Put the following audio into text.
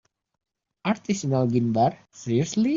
Artisanal gin bar, seriously?!